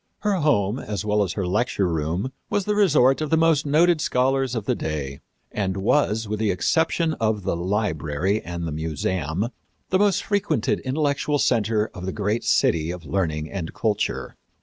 " Her home, as well as her lecture room, was the resort of the most noted scholars of the day, and was, with the exception of the Library and the Museum, the most frequented intellectual center of the great city of learning and culture.